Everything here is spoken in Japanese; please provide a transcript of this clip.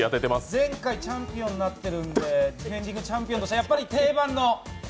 前回チャンピオンになってるんでディフェンディングチャンピオンとしてはやっぱり定番の。